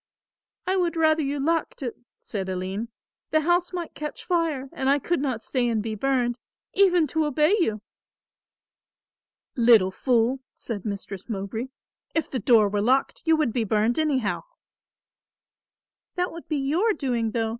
"I would rather you locked it," said Aline. "The house might catch fire and I could not stay and be burned, even to obey you." "Little fool," said Mistress Mowbray, "if the door were locked you would be burned anyhow." "That would be your doing, though.